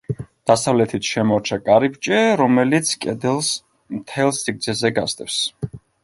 დასავლეთით შემორჩა კარიბჭე, რომელიც კედელს მთელ სიგრძეზე გასდევს.